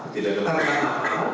tidak ada masalah